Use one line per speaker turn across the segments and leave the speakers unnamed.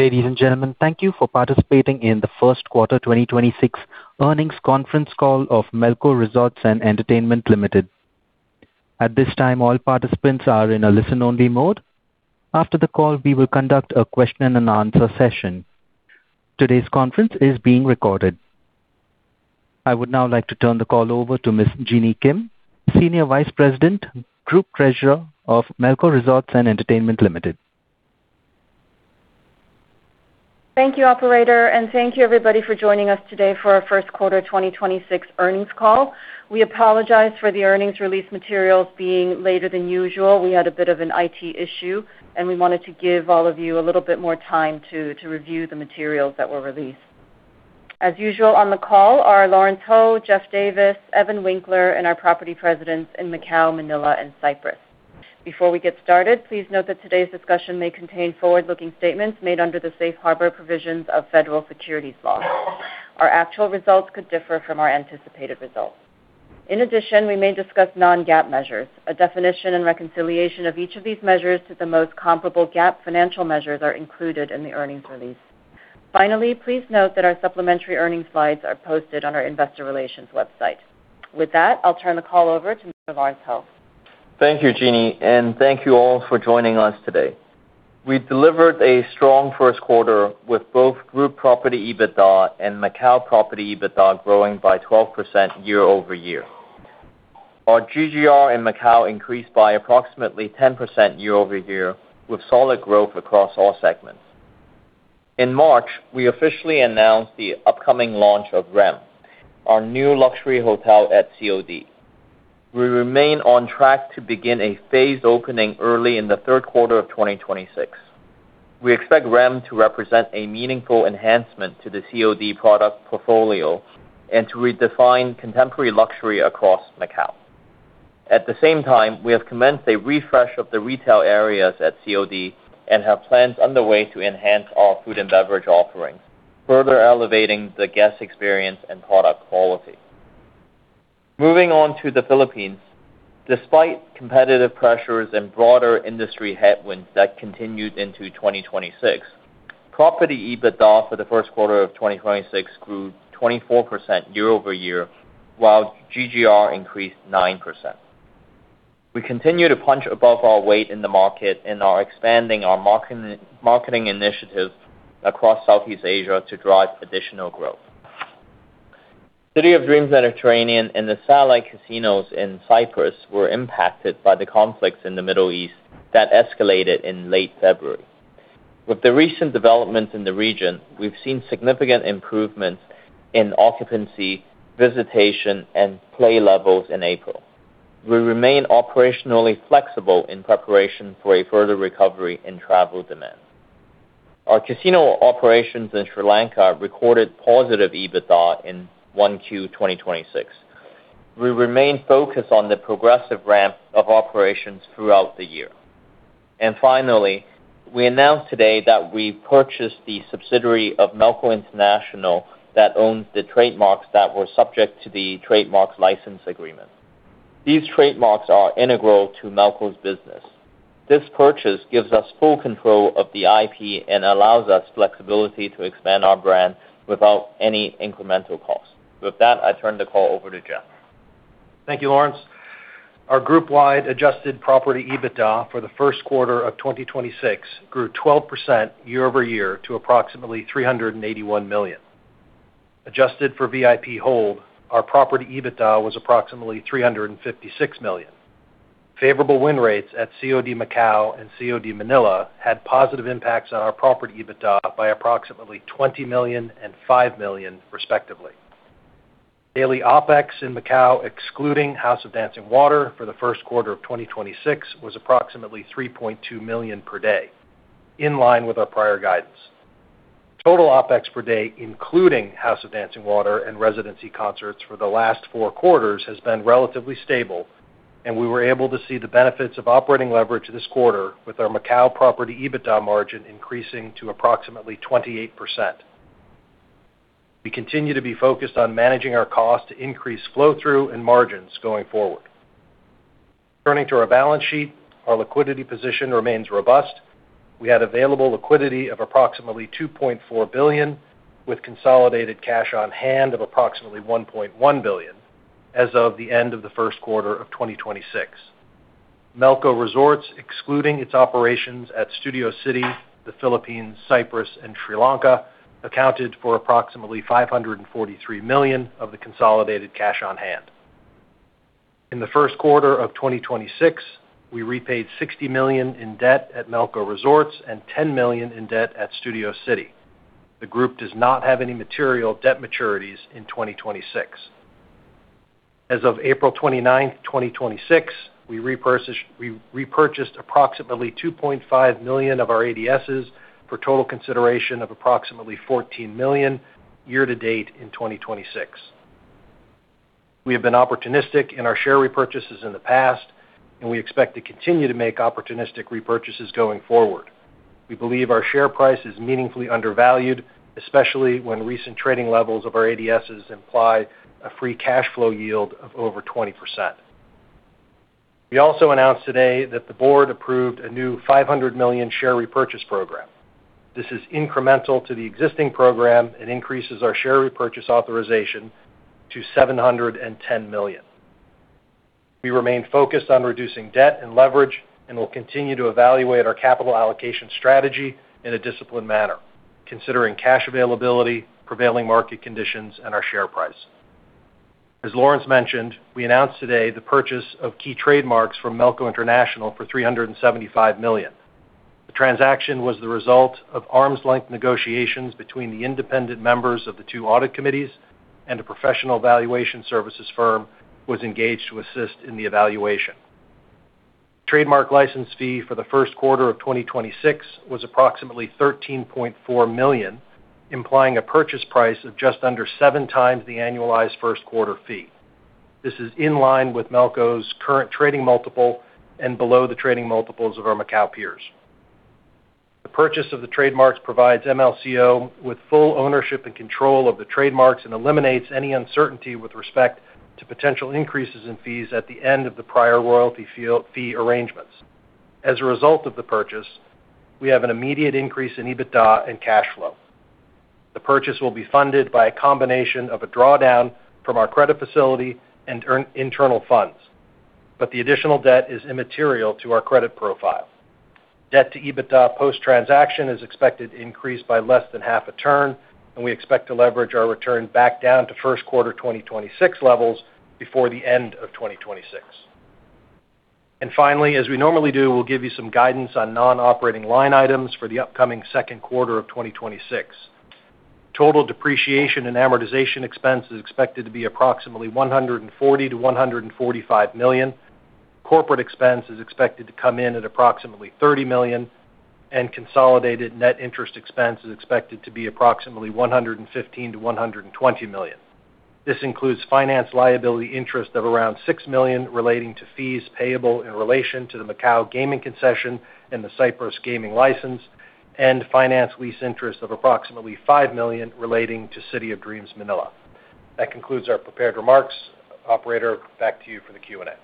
Ladies and gentlemen, thank you for participating in the Q1 2026 earnings conference call of Melco Resorts & Entertainment Limited. At this time, all participants are in a listen-only mode. After the call, we will conduct a question and answer session. Today's conference is being recorded. I would now like to turn the call over to Ms. Jeanny Kim, Senior Vice President, Group Treasurer of Melco Resorts & Entertainment Limited.
Thank you, operator, and thank you everybody for joining us today for our Q1 2026 earnings call. We apologize for the earnings release materials being later than usual. We had a bit of an IT issue, and we wanted to give all of you a little bit more time to review the materials that were released. As usual, on the call are Lawrence Ho, Geoff Davis, Evan Winkler, and our property presidents in Macau, Manila, and Cyprus. Before we get started, please note that today's discussion may contain forward-looking statements made under the safe harbor provisions of federal securities laws. Our actual results could differ from our anticipated results. In addition, we may discuss non-GAAP measures. A definition and reconciliation of each of these measures to the most comparable GAAP financial measures are included in the earnings release. Finally, please note that our supplementary earnings slides are posted on our investor relations website. With that, I'll turn the call over to Mr. Lawrence Ho.
Thank you, Jeanny, thank you all for joining us today. We delivered a strong Q1 with both group property EBITDA and Macau property EBITDA growing by 12% year-over-year. Our GGR in Macau increased by approximately 10% year-over-year with solid growth across all segments. In March, we officially announced the upcoming launch of REM, our new luxury hotel at CoD. We remain on track to begin a phased opening early in the Q3 of 2026. We expect REM to represent a meaningful enhancement to the CoD product portfolio and to redefine contemporary luxury across Macau. At the same time, we have commenced a refresh of the retail areas at CoD and have plans underway to enhance our food and beverage offerings, further elevating the guest experience and product quality. Moving on to the Philippines, despite competitive pressures and broader industry headwinds that continued into 2026, property EBITDA for the Q1 of 2026 grew 24% year-over-year, while GGR increased 9%. We continue to punch above our weight in the market and are expanding our marketing initiatives across Southeast Asia to drive additional growth. City of Dreams Mediterranean and the satellite casinos in Cyprus were impacted by the conflicts in the Middle East that escalated in late February. With the recent developments in the region, we've seen significant improvements in occupancy, visitation, and play levels in April. We remain operationally flexible in preparation for a further recovery in travel demand. Our casino operations in Sri Lanka recorded positive EBITDA in Q1 2026. We remain focused on the progressive ramp of operations throughout the year. Finally, we announced today that we purchased the subsidiary of Melco International that owns the trademarks that were subject to the trademarks license agreement. These trademarks are integral to Melco's business. This purchase gives us full control of the IP and allows us flexibility to expand our brand without any incremental cost. With that, I turn the call over to Geoff.
Thank you, Lawrence. Our group-wide adjusted property EBITDA for the Q1 of 2026 grew 12% year-over-year to approximately $381 million. Adjusted for VIP hold, our property EBITDA was approximately $356 million. Favorable win rates at CoD Macau and CoD Manila had positive impacts on our property EBITDA by approximately $20 million and $5 million, respectively. Daily OpEx in Macau, excluding House of Dancing Water, for the Q1 of 2026 was approximately $3.2 million per day, in line with our prior guidance. Total OpEx per day, including House of Dancing Water and residency concerts for the last four quarters has been relatively stable, and we were able to see the benefits of operating leverage this quarter with our Macau property EBITDA margin increasing to approximately 28%. We continue to be focused on managing our cost to increase flow-through and margins going forward. Turning to our balance sheet, our liquidity position remains robust. We had available liquidity of approximately $2.4 billion, with consolidated cash on hand of approximately $1.1 billion as of the end of the Q1 of 2026. Melco Resorts, excluding its operations at Studio City, the Philippines, Cyprus, and Sri Lanka, accounted for approximately $543 million of the consolidated cash on hand. In the Q1 of 2026, we repaid $60 million in debt at Melco Resorts and $10 million in debt at Studio City. The group does not have any material debt maturities in 2026. As of April 29th 2026, we repurchased approximately 2.5 million ADSs for total consideration of approximately $14 million year to date in 2026. We have been opportunistic in our share repurchases in the past, and we expect to continue to make opportunistic repurchases going forward. We believe our share price is meaningfully undervalued, especially when recent trading levels of our ADSs imply a free cash flow yield of over 20%. We also announced today that the board approved a new $500 million share repurchase program. This is incremental to the existing program and increases our share repurchase authorization to $710 million. We remain focused on reducing debt and leverage, and we'll continue to evaluate our capital allocation strategy in a disciplined manner, considering cash availability, prevailing market conditions, and our share price. As Lawrence mentioned, we announced today the purchase of key trademarks from Melco International for $375 million. The transaction was the result of arm's length negotiations between the independent members of the two audit committees, and a professional valuation services firm was engaged to assist in the evaluation. Trademark license fee for the Q1 of 2026 was approximately $13.4 million, implying a purchase price of just under 7x the annualized Q1 fee. This is in line with Melco's current trading multiple and below the trading multiples of our Macau peers. The purchase of the trademarks provides MLCO with full ownership and control of the trademarks and eliminates any uncertainty with respect to potential increases in fees at the end of the prior royalty fee arrangements. As a result of the purchase, we have an immediate increase in EBITDA and cash flow. The purchase will be funded by a combination of a drawdown from our credit facility and internal funds but the additional debt is immaterial to our credit profile. Debt to EBITDA post-transaction is expected to increase by less than half a turn, and we expect to leverage our return back down to Q1 2026 levels before the end of 2026. Finally, as we normally do, we'll give you some guidance on non-operating line items for the upcoming Q2 of 2026. Total depreciation and amortization expense is expected to be approximately $140 million-$145 million. Corporate expense is expected to come in at approximately $30 million, and consolidated net interest expense is expected to be approximately $115 million-$120 million. This includes finance liability interest of around $6 million relating to fees payable in relation to the Macau gaming concession and the Cyprus gaming license, and finance lease interest of approximately $5 million relating to City of Dreams Manila. That concludes our prepared remarks. Operator, back to you for the Q&A.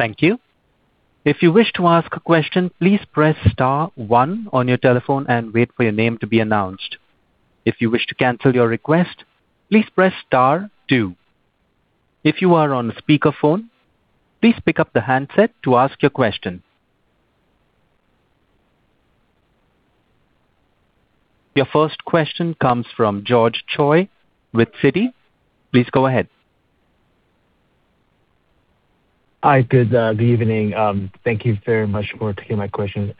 Thank you. If you wish to ask a question, please press star one on your telephone and wait for your name to be announced. If you wish to cancel your request, please press star two. If you are on speaker phone, please pick up the handset and ask your question. Your first question comes from George Choi with Citi. Please go ahead.
Hi, good evening. Thank you very much for taking my question.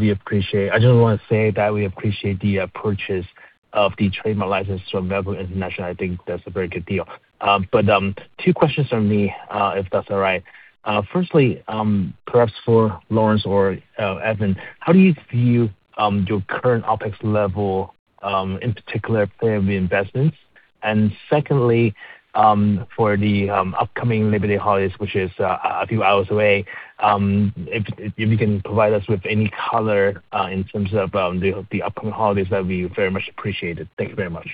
We appreciate. I just wanna say that we appreciate the purchase of the trademark license from Melco International. I think that's a very good deal. Two questions from me, if that's all right. Firstly, perhaps for Lawrence or Evan, how do you view your current OpEx level, in particular player reinvestments? Secondly, for the upcoming Labor Day holidays, which is a few hours away, if you can provide us with any color in terms of the upcoming holidays, that'd be very much appreciated. Thank you very much.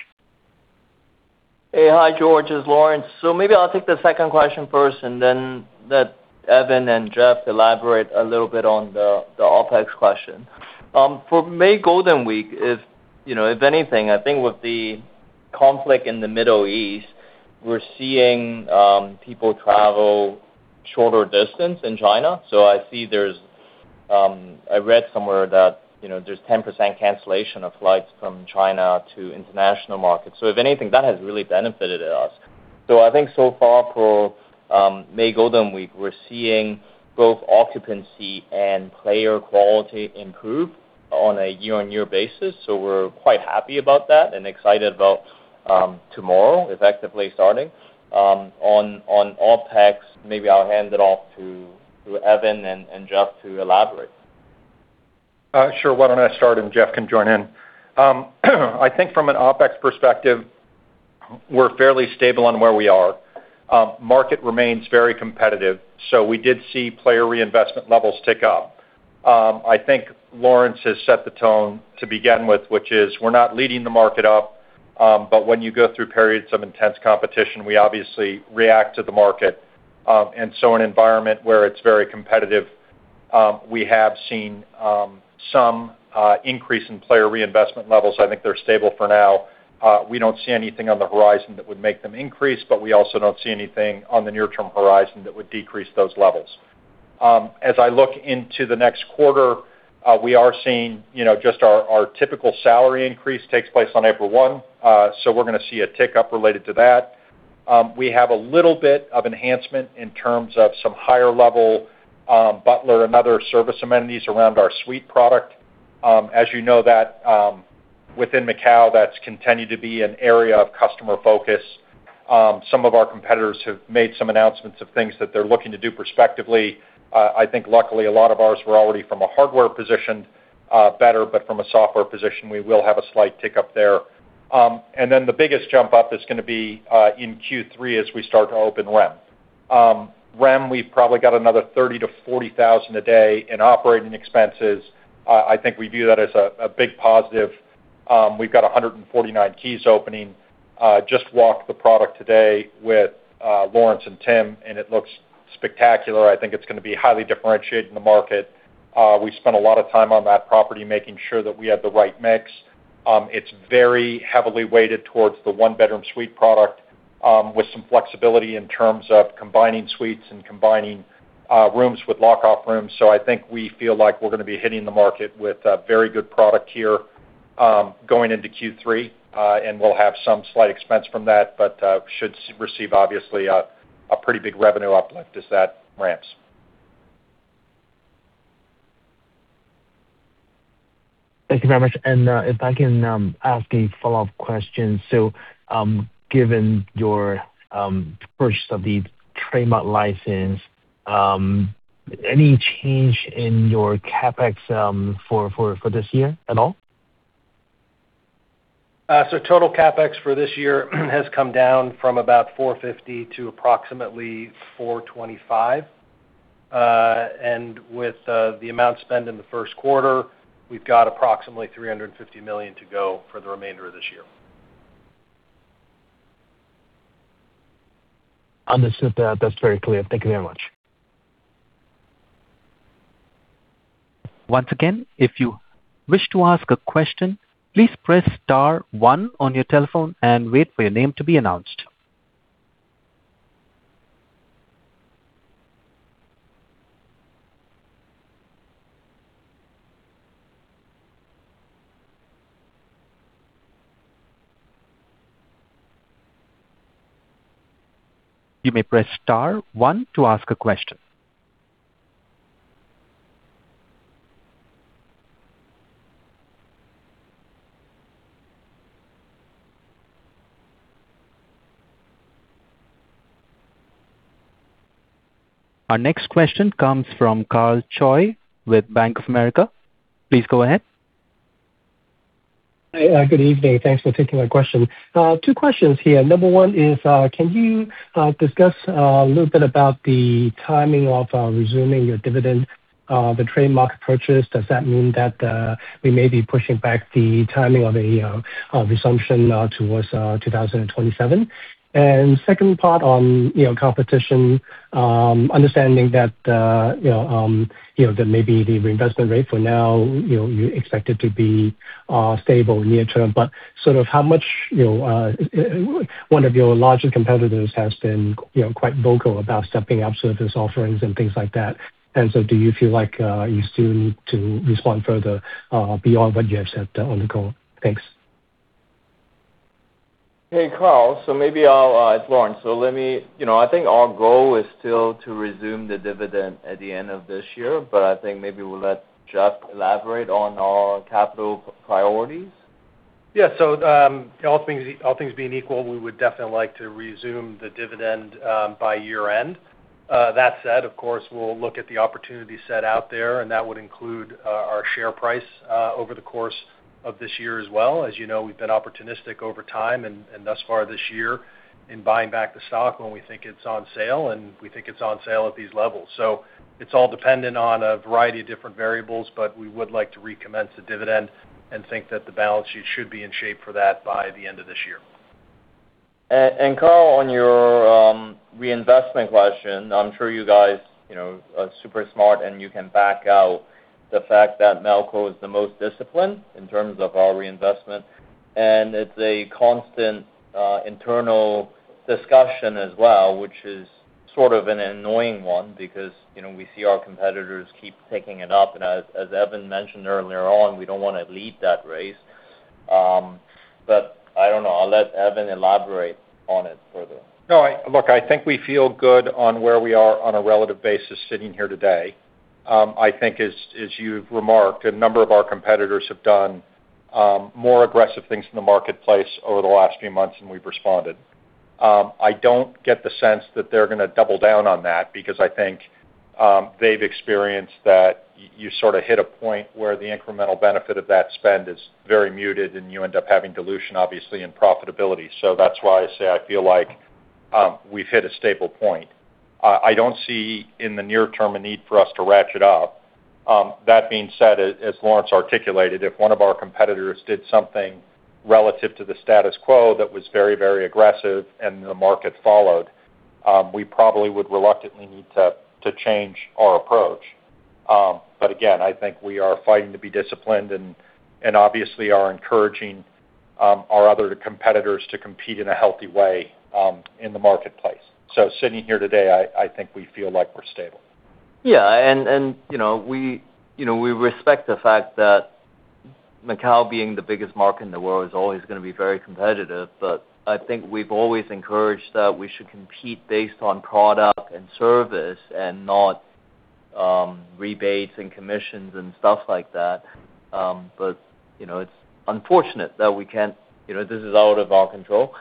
Hey. Hi, George. It's Lawrence. Maybe I'll take the second question first and then let Evan and Geoff elaborate a little bit on the OpEx question. For May Golden Week, if, you know, if anything, I think with the conflict in the Middle East, we're seeing people travel shorter distance in China so I see there's I read somewhere that, you know, there's 10% cancellation of flights from China to international markets so if anything, that has really benefited us. I think so far for May Golden Week, we're seeing both occupancy and player quality improve on a year-on-year basis so we're quite happy about that and excited about tomorrow effectively starting. On OpEx, maybe I'll hand it off to Evan and Geoff to elaborate.
Sure. Why don't I start, and Geoff can join in. I think from an OpEx perspective, we're fairly stable on where we are. Market remains very competitive, so we did see player reinvestment levels tick up. I think Lawrence has set the tone to begin with, which is we're not leading the market up, but when you go through periods of intense competition, we obviously react to the market and so an environment where it's very competitive, we have seen some increase in player reinvestment levels. I think they're stable for now. We don't see anything on the horizon that would make them increase, but we also don't see anything on the near-term horizon that would decrease those levels. As I look into the next quarter, we are seeing, you know, just our typical salary increase takes place on April 1, so we're gonna see a tick up related to that. We have a little bit of enhancement in terms of some higher level, butler and other service amenities around our suite product. As you know that within Macau, that's continued to be an area of customer focus. Some of our competitors have made some announcements of things that they're looking to do prospectively. I think luckily, a lot of ours were already from a hardware position, better, but from a software position, we will have a slight tick up there. The biggest jump up is gonna be in Q3 as we start to open REM. REM, we've probably got another $30,000-$40,000 a day in operating expenses. I think we view that as a big positive. We've got 149 keys opening. Just walked the product today with Lawrence and Tim, and it looks spectacular. I think it's gonna be highly differentiated in the market. We spent a lot of time on that property making sure that we had the right mix. It's very heavily weighted towards the one bedroom suite product, with some flexibility in terms of combining suites and combining rooms with lockoff rooms so I think we feel like we're gonna be hitting the market with a very good product here, going into Q3, and we'll have some slight expense from that, but should receive obviously a pretty big revenue uplift as that ramps.
Thank you very much. If I can ask a follow-up question. Given your purchase of the trademark license, any change in your CapEx for this year at all?
Total CapEx for this year has come down from about $450 to approximately $425 and with the amount spent in the Q1, we've got approximately $350 million to go for the remainder of this year.
Understood. That's very clear. Thank you very much.
Once again, if you wish to ask a question, please press star one on your telephone and wait for your name to be announced. You may press star one to ask your question. Our next question comes from Karl Choi with Bank of America. Please go ahead.
Hi, good evening. Thanks for taking my question. Two questions here. Number one is, can you discuss a little bit about the timing of resuming your dividend, the trademark purchase? Does that mean that we may be pushing back the timing of a resumption towards 2027? Second part on, you know, competition, understanding that, you know, that maybe the reinvestment rate for now, you know, you expect it to be stable near term, but sort of how much, you know, one of your larger competitors has been, you know, quite vocal about stepping up service offerings and things like that. Do you feel like you still need to respond further beyond what you have said on the call? Thanks.
Hey, Karl, maybe I'll. It's Lawrence. Let me, you know, I think our goal is still to resume the dividend at the end of this year, but I think maybe we'll let Geoff elaborate on our capital priorities. All things, all things being equal, we would definitely like to resume the dividend by year-end. That said, of course, we'll look at the opportunity set out there, and that would include our share price over the course of this year as well. As you know, we've been opportunistic over time and thus far this year in buying back the stock when we think it's on sale, and we think it's on sale at these levels so it's all dependent on a variety of different variables, but we would like to recommence the dividend and think that the balance sheet should be in shape for that by the end of this year. Karl, on your reinvestment question, I'm sure you guys, you know, are super smart, and you can back out the fact that Melco is the most disciplined in terms of our reinvestment. It's a constant internal discussion as well, which is sort of an annoying one because, you know, we see our competitors keep taking it up. As Evan mentioned earlier on, we don't wanna lead that race. I don't know. I'll let Evan elaborate on it further.
No, I Look, I think we feel good on where we are on a relative basis sitting here today. I think as you've remarked, a number of our competitors have done more aggressive things in the marketplace over the last few months, and we've responded. I don't get the sense that they're gonna double down on that because I think they've experienced that you sort of hit a point where the incremental benefit of that spend is very muted, and you end up having dilution, obviously, and profitability so that's why I say I feel like we've hit a stable point. I don't see in the near term a need for us to ratchet up. That being said, as Lawrence articulated, if one of our competitors did something relative to the status quo that was very, very aggressive and the market followed, we probably would reluctantly need to change our approach but again, I think we are fighting to be disciplined and obviously are encouraging our other competitors to compete in a healthy way in the marketplace so sitting here today, I think we feel like we're stable.
Yeah. You know, we, you know, we respect the fact that Macau being the biggest market in the world is always gonna be very competitive, but I think we've always encouraged that we should compete based on product and service and not rebates and commissions and stuff like that. You know, it's unfortunate that we can't, you know, this is out of our control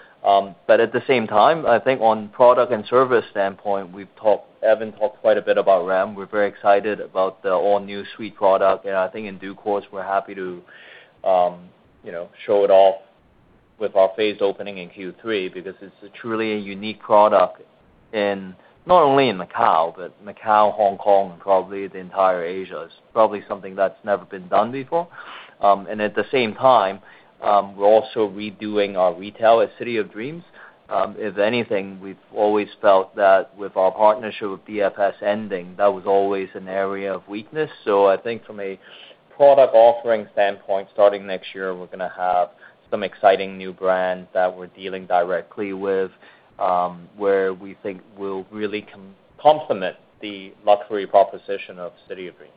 but at the same time, I think on product and service standpoint, we've talked, Evan talked quite a bit about REM. We're very excited about the all-new suite product and I think in due course, we're happy to, you know, show it off with our phase opening in Q3, because it's a truly unique product in, not only in Macau, but Macau, Hong Kong, and probably the entire Asia. It's probably something that's never been done before. At the same time, we're also redoing our retail at City of Dreams. If anything, we've always felt that with our partnership with DFS ending, that was always an area of weakness. SoI think from a product offering standpoint, starting next year, we're gonna have some exciting new brands that we're dealing directly with, where we think will really complement the luxury proposition of City of Dreams.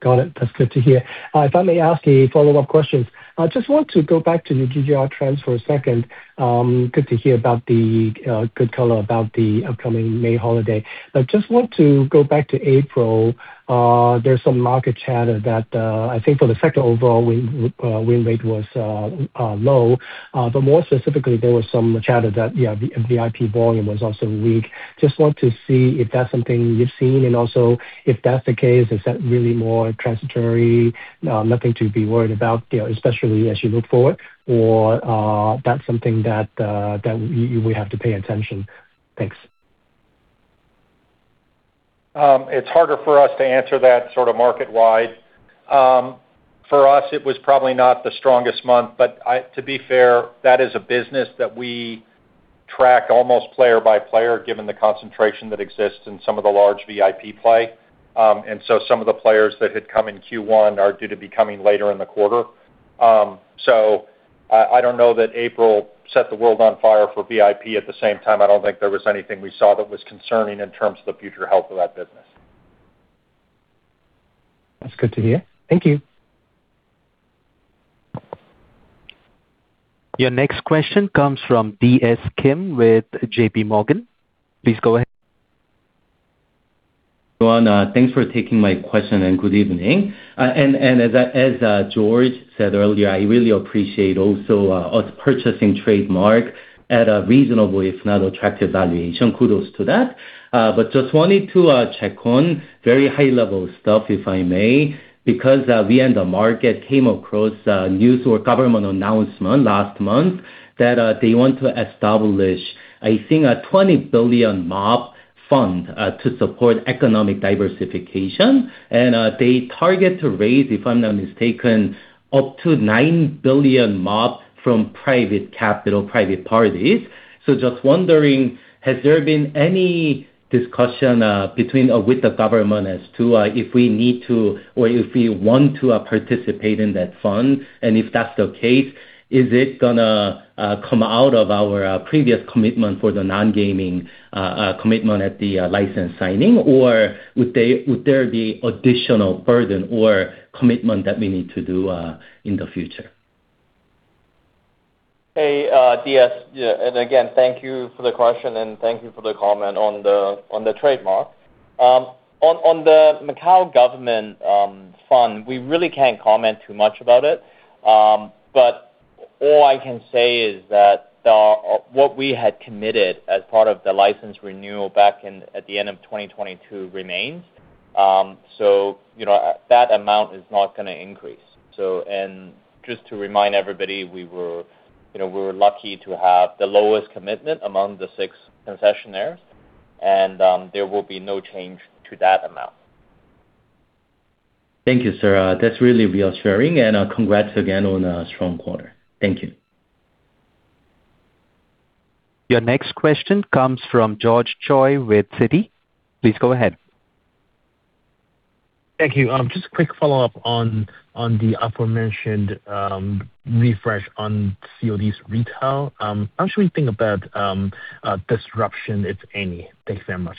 Got it. That's good to hear. If I may ask a follow-up question. I just want to go back to the GGR trends for a second. Good to hear about the good color about the upcoming May holiday. I just want to go back to April. There's some market chatter that I think for the second overall win rate was low but more specifically, there was some chatter that, yeah, VIP volume was also weak. Just want to see if that's something you've seen, and also, if that's the case, is that really more transitory, nothing to be worried about, you know, especially as you look forward? That's something that you will have to pay attention. Thanks.
It's harder for us to answer that sort of market-wide. For us, it was probably not the strongest month, but to be fair, that is a business that we track almost player by player, given the concentration that exists in some of the large VIP play and so some of the players that had come in Q1 are due to be coming later in the quarter. I don't know that April set the world on fire for VIP. At the same time, I don't think there was anything we saw that was concerning in terms of the future health of that business.
That's good to hear. Thank you.
Your next question comes from DS Kim with JPMorgan. Please go ahead.
John, thanks for taking my question, good evening. As George said earlier, I really appreciate also us purchasing trademark at a reasonable, if not attractive valuation. Kudos to that. Just wanted to check on very high-level stuff, if I may, because we in the market came across news or government announcement last month that they want to establish, I think, a $20 billion MOP fund to support economic diversification and they target to raise, if I'm not mistaken, up to $9 billion MOP from private capital, private parties so just wondering, has there been any discussion between or with the government as to if we need to or if we want to participate in that fund? If that's the case, is it gonna come out of our previous commitment for the non-gaming commitment at the license signing or would there be additional burden or commitment that we need to do in the future?
Hey, DS, yeah, and again, thank you for the question and thank you for the comment on the trademark. On the Macau government fund, we really can't comment too much about it but all I can say is that what we had committed as part of the license renewal back in, at the end of 2022 remains. You know, that amount is not gonna increase. Just to remind everybody, we were, you know, we were lucky to have the lowest commitment among the six concessionaires, and there will be no change to that amount.
Thank you, sir. That's really reassuring. Congrats again on a strong quarter. Thank you.
Your next question comes from George Choi with Citi. Please go ahead.
Thank you. Just a quick follow-up on the aforementioned refresh on CoD's retail, how should we think about disruption, if any? Thanks very much.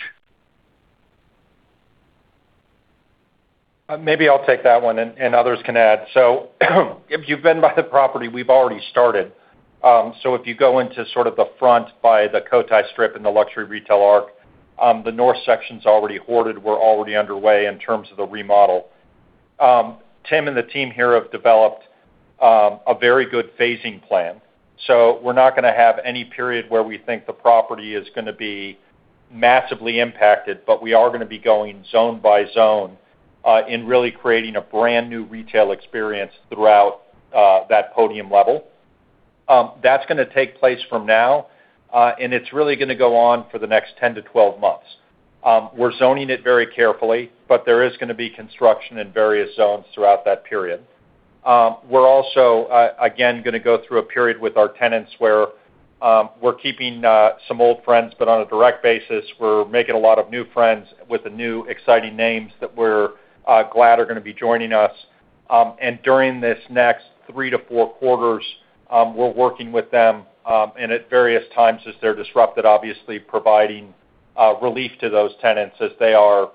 Maybe I'll take that one, and others can add. If you've been by the property, we've already started. If you go into sort of the front by the Cotai Strip and the luxury retail arc, the north section's already hoarded. We're already underway in terms of the remodel. Tim and the team here have developed a very good phasing plan so we're not gonna have any period where we think the property is gonna be massively impacted, but we are gonna be going zone by zone in really creating a brand-new retail experience throughout that podium level. That's gonna take place from now, and it's really gonna go on for the next 10-12 months. We're zoning it very carefully, but there is gonna be construction in various zones throughout that period. We're also gonna go through a period with our tenants where we're keeping some old friends, but on a direct basis. We're making a lot of new friends with the new exciting names that we're glad are gonna be joining us and during this next three to four quarters, we're working with them, and at various times as they're disrupted, obviously providing relief to those tenants as they are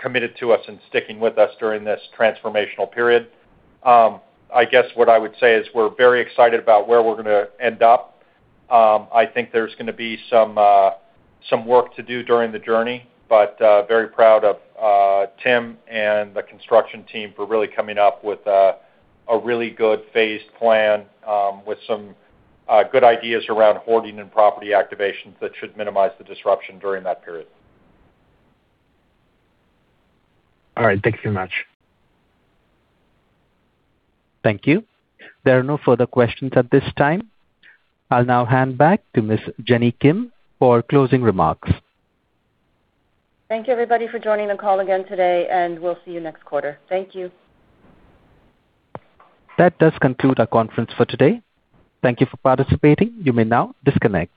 committed to us and sticking with us during this transformational period. I guess what I will say is we're very excited about where we're gonna end up. I think there's gonna be some work to do during the journey, but very proud of Tim and the construction team for really coming up with a really good phased plan, with some good ideas around hoarding and property activations that should minimize the disruption during that period.
All right. Thank you very much.
Thank you. There are no further questions at this time. I'll now hand back to Ms. Jeanny Kim for closing remarks.
Thank you, everybody, for joining the call again today. We'll see you next quarter. Thank you.
That does conclude our conference for today. Thank you for participating. You may now disconnect.